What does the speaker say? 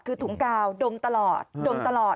คือถุงกาวดมตลอดดมตลอด